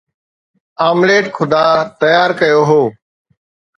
omelette خدا تيار ڪيو هو